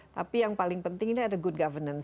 tapi yang paling penting ini ada good governance